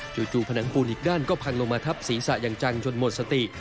ผนังปูนอีกด้านก็พังลงมาทับศีรษะอย่างจังจนหมดสติ